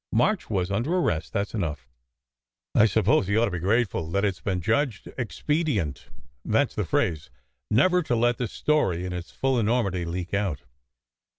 March was under arrest that s enough. I suppose he ought to be grateful that it s been * judged expedient that s the phrase never to let the story in its full enormity leak out.